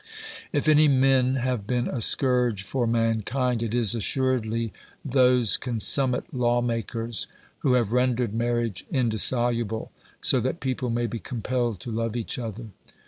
If any men have been a scourge for mankind it is assuredly those consummate law makers who have rendered marriage indissoluble, so that people may be compelled to love each other.